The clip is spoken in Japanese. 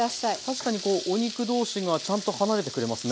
確かにこうお肉同士がちゃんと離れてくれますね。